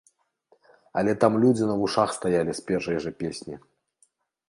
Але там людзі на вушах стаялі з першай жа песні.